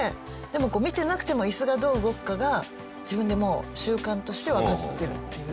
でもこう見てなくてもイスがどう動くかが自分でもう習慣としてわかってるっていう。